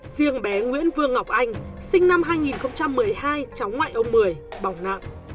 riêng bé nguyễn vương ngọc anh sinh năm hai nghìn một mươi hai chóng ngoại ông mười bỏng nặng